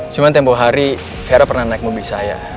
cuma tempoh hari vera pernah naik mobil saya